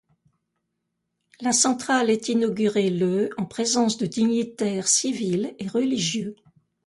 La centrale est inaugurée le en présence de dignitaires civils et religieux.